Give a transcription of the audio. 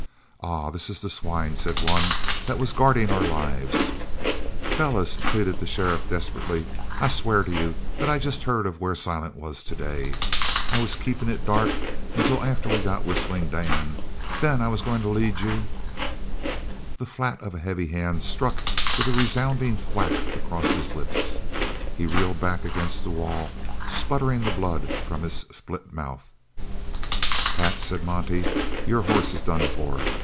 "Ah, this is the swine," said one, "that was guardin' our lives!" "Fellers," pleaded the sheriff desperately, "I swear to you that I jest heard of where Silent was today. I was keepin' it dark until after we got Whistling Dan. Then I was goin' to lead you " The flat of a heavy hand struck with a resounding thwack across his lips. He reeled back against the wall, sputtering the blood from his split mouth. "Pat," said Monte, "your hoss is done for.